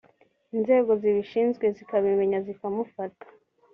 inzego zibishinzwe zikabimenya zikamufata